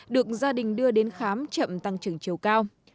được gia đình đưa đến khám chậm tăng trưởng chiều cao